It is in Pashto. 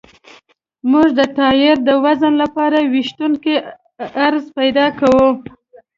موږ د ټایر د وزن لپاره ویشونکی عرض پیدا کوو